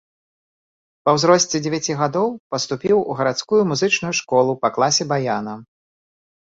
Ва ўзросце дзевяці гадоў паступіў у гарадскую музычную школу па класе баяна.